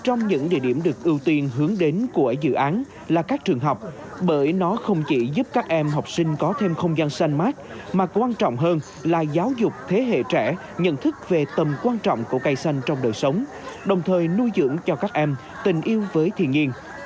trong những địa điểm được ưu tiên hướng đến của dự án là các trường học bởi nó không chỉ giúp các em học sinh có thêm không gian xanh mát mà quan trọng hơn là giáo dục thế hệ trẻ nhận thức về tầm quan trọng của cây xanh trong đời sống đồng thời nuôi dưỡng cho các em tình yêu với thiên nhiên